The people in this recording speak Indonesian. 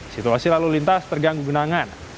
situasi lalu lintas terganggu genangan